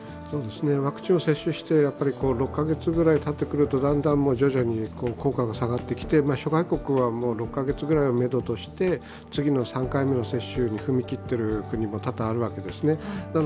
ワクチンを接種して６カ月ぐらいたってくるとだんだん徐々に効果が下がってきて諸外国は６カ月をめどとして次の３回目の接種に踏み切っている国も多々あるわけです。